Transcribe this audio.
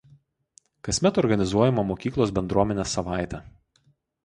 Kasmet organizuojama Mokyklos bendruomenės savaitė.